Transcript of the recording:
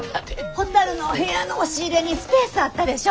ほたるのお部屋の押し入れにスペースあったでしょ。